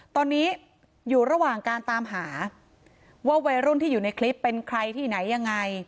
ตอนนี้อยู่ระหว่างการตามหาว่าวัยรุ่นที่อยู่ในคลิปเป็นใครที่ไหนยังไง